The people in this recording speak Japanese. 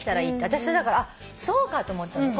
私だからあっそうかと思ったの。